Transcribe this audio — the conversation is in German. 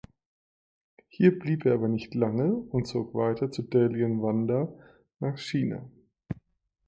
Hier blieb er aber nicht lange und zog weiter zu Dalian Wanda nach China.